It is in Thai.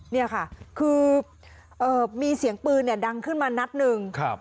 นี่ค่ะคือมีเสียงปืนเนี่ยดังขึ้นมานัดหนึ่ง